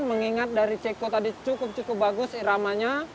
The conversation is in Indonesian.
mengingat dari ceko tadi cukup cukup bagus iramanya